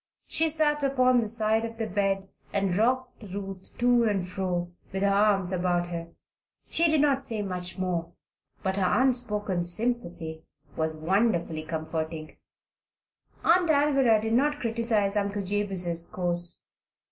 She sat upon the side of the bed and rocked Ruth to and fro, with her arms about her. She did not say much more, but her unspoken sympathy was wonderfully comforting. Aunt Alvirah did not criticise Uncle Jabez's course.